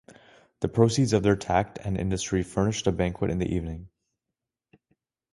The proceeds of their tact and industry furnished a banquet in the evening.